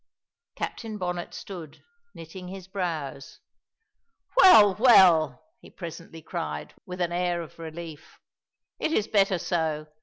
Captain Bonnet stood, knitting his brows. "Well, well!" he presently cried, with an air of relief, "it is better so.